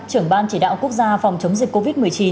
trưởng ban chỉ đạo quốc gia phòng chống dịch covid một mươi chín